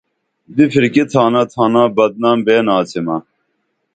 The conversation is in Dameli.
بِپھرکی تھانہ تھانا بدنام بئین آڅیمہ